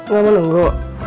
gak mau nunggu